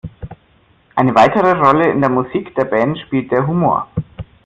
Eine weitere Rolle in der Musik der Band spielt der Humor.